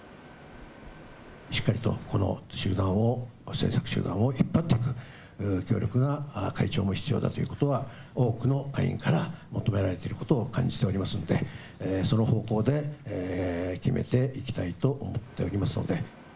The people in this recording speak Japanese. しっかりとこの集団を、政策集団を引っ張っていく、強力な会長も必要だということは、多くの会員から求められていることを感じておりますので、その方向で決めていきたいと思っておりますので。